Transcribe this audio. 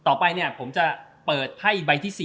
ต่อไปเนี่ยผมจะเปิดไพ่ใบที่๔